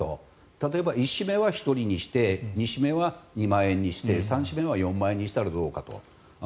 例えば１子目は１万にして２人目は２万円にして３子目は４万円にしたらどうかと。